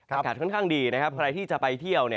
อากาศค่อนข้างดีนะครับใครที่จะไปเที่ยว